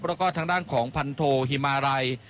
แล้วก็ทางด้านของพันโทฮิมาลัย